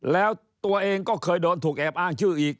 แล้วตัวเองก็เคยโดนถูกแอบอ้างชื่ออีก